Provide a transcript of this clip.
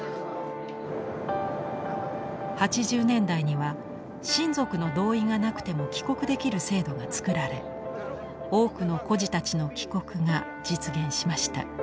８０年代には親族の同意がなくても帰国できる制度が作られ多くの孤児たちの帰国が実現しました。